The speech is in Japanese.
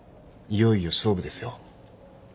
いよいよ勝負ですよ。